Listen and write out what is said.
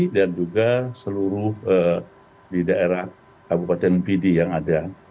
dan juga seluruh di daerah kabupaten bidi yang ada